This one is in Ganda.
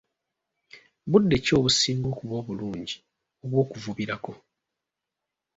Budde ki obusinga okuba obulungi obw'okuvubirako?